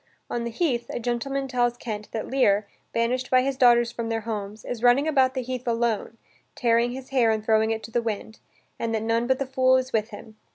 On the heath, a gentleman tells Kent that Lear, banished by his daughters from their homes, is running about the heath alone, tearing his hair and throwing it to the wind, and that none but the fool is with him.